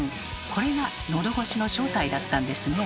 これがのどごしの正体だったんですね。